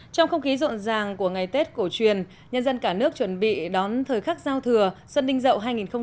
trong không khí rộn ràng của ngày tết cổ truyền nhân dân cả nước chuẩn bị đón thời khắc giao thừa xuân đinh dậu hai nghìn hai mươi bốn